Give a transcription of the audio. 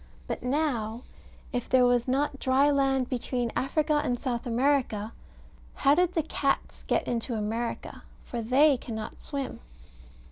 But now If there was not dry land between Africa and South America, how did the cats get into America? For they cannot swim.